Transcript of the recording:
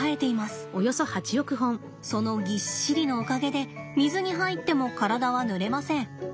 そのぎっしりのおかげで水に入っても体はぬれません。